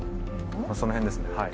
その辺ですねはい。